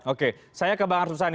oke saya ke bang arsul sani